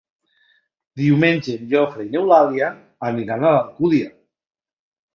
Diumenge en Jofre i n'Eulàlia aniran a l'Alcúdia.